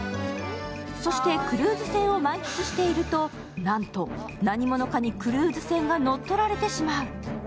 そして、クルーズ船を満喫していると、なんと何者かにクルーズ船が乗っ取られてしまう。